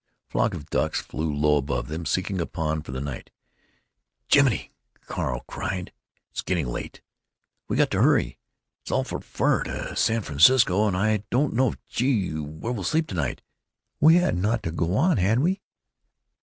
A flock of ducks flew low above them, seeking a pond for the night. "Jiminy!" Carl cried, "it's getting late. We got to hurry. It's awful far to San Francisco and—I don't know—gee! where'll we sleep to night?" "We hadn't ought to go on, had we?"